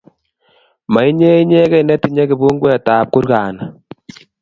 mainye inyegei ne tinye kibunguet ab kurgani